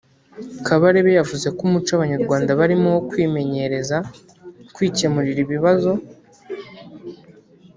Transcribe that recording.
Kabarebe yavuze ko umuco Abanyarwanda barimo wo kwimenyereza kwikemurira ibibazo